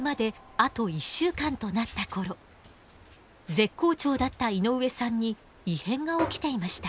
絶好調だった井上さんに異変が起きていました。